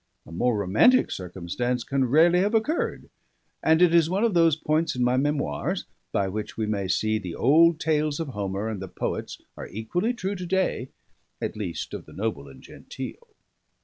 A more romantic circumstance can rarely have occurred; and it is one of those points in my memoirs, by which we may see the old tales of Homer and the poets are equally true to day at least, of the noble and genteel.